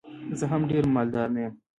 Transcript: زه هم ډېر مالدار نه یم.